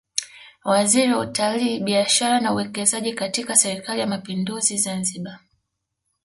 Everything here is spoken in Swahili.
Waziri wa Utalii Biashara na Uwekezaji katika Serikali ya Mapinduzi Zanzibar